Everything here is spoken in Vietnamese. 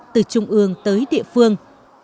từ trung ương tới địa phương